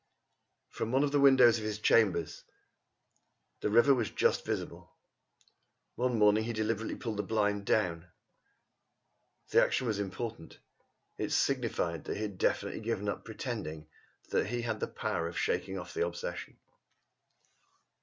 From one of the windows of his chambers the river was just visible. One morning he deliberately pulled the blind down. The action was important. It signified that he had definitely given up pretending that he had the power of shaking off the obsession.